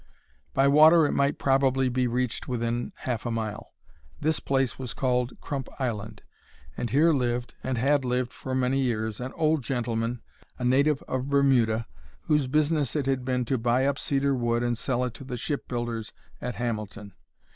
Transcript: By water it might probably be reached within half a mile. This place was called Crump Island, and here lived, and had lived for many years, an old gentleman, a native of Bermuda, whose business it had been to buy up cedar wood and sell it to the ship builders at Hamilton.